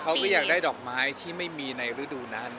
เขาก็อยากได้ดอกไม้ที่ไม่มีในฤดูนั้น